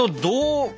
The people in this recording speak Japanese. どう？